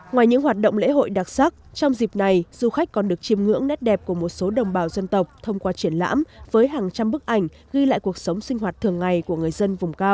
ngoài những hoạt động lễ hội đặc sắc trong dịp này du khách còn được chìm ngưỡng nét đẹp của một số đồng bào dân tộc thông qua triển lãm với hàng trăm bức ảnh ghi lại cuộc sống sinh hoạt thường hóa